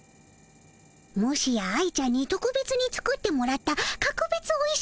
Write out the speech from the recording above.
もしや愛ちゃんにとくべつに作ってもらったかくべつおいしいプリンかの？